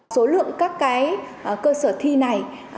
số lượng các cái cơ sở thi này